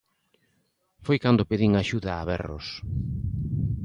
Foi cando pedín axuda a berros.